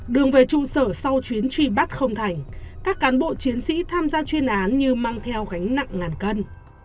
đường về trụ sở sau chuyến truy bắt không thành các cán bộ chiến sĩ tham gia chuyên án như mang theo gánh nặng ngàn cân